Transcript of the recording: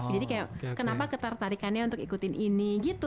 jadi kayak kenapa ketertarikannya untuk ikutin ini gitu